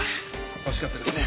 惜しかったですね。